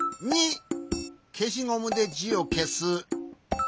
けしゴムでじをけす。